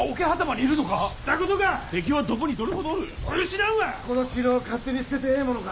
この城を勝手に捨ててええものか。